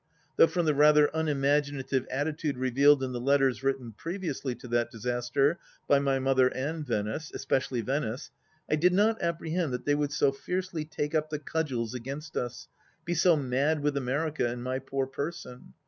Though from the rather unimaginative attitude revealed in the letters written previously to that disaster by my mother and Venice — especially Venice — I did not apprehend that they would so fiercely take up the cudgels against us — ^be so " mad " with America in my poor person